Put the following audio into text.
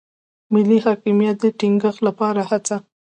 ملي حاکمیت د ټینګښت لپاره هڅه.